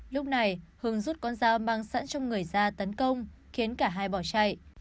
lúc này hưng rút con dao mang sẵn trong người ra tấn công khiến cả hai bỏ chạy